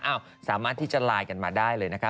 สามารถที่จะไลน์กันมาได้เลยนะคะ